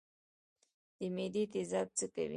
د معدې تیزاب څه کوي؟